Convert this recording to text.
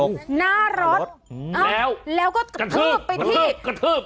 ข้ารถแล้วกระทืบกระทืบกระทืบ